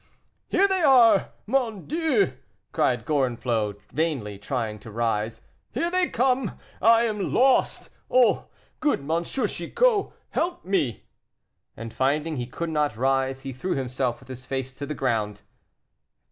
"Here they are! Mon Dieu," cried Gorenflot, vainly trying to rise, "here they come, I am lost! Oh! good M. Chicot, help me!" and finding he could not rise, he threw himself with his face to the ground.